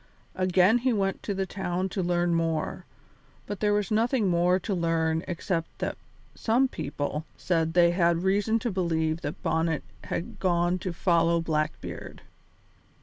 Again he went to the town to learn more, but there was nothing more to learn except that some people said they had reason to believe that Bonnet had gone to follow Blackbeard.